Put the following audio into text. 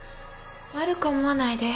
悪く思わないで。